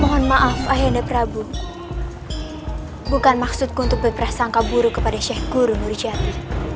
mohon maaf ayahanda prabu bukan maksudku untuk berperasangka buruk kepada syekh guru nurjati